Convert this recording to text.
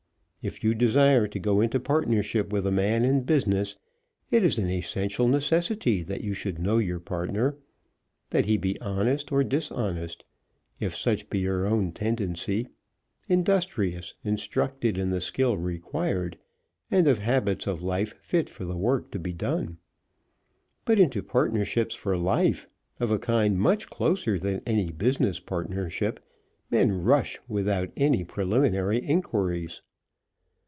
If you desire to go into partnership with a man in business, it is an essential necessity that you should know your partner; that he be honest, or dishonest, if such be your own tendency, industrious, instructed in the skill required, and of habits of life fit for the work to be done. But into partnerships for life, of a kind much closer than any business partnership, men rush without any preliminary inquiries.